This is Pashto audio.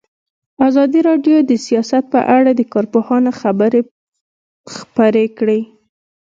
ازادي راډیو د سیاست په اړه د کارپوهانو خبرې خپرې کړي.